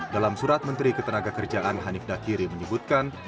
dalam surat menteri ketenaga kerjaan hanif dakiri menyebutkan